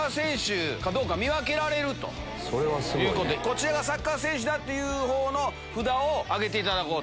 こちらがサッカー選手だっていう札を挙げていただこうと。